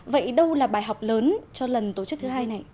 vậy đâu là bài học lớn cho lần tổ chức thứ hai này